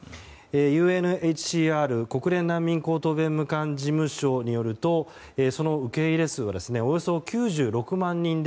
ＵＮＨＣＲ・国連難民高等弁務官事務所によるとその受け入れ数はおよそ９６万人で